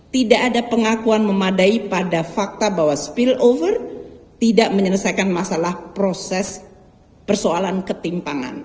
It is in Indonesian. tidak ada pengakuan memadai pada fakta bahwa spill over tidak menyelesaikan masalah proses persoalan ketimpangan